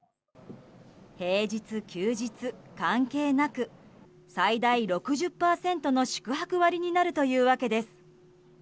平日、休日関係なく最大６０％の宿泊割になるというわけです。